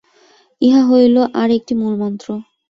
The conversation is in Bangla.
ইহা হইল আর একটি মূলমন্ত্র।